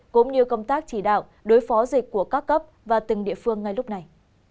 cũng như công tác chỉ đạo đối phó dịch của các cấp và từng địa phương ngay lúc này